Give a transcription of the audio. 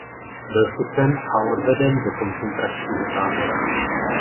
Byl chycen a odveden do koncentračního tábora.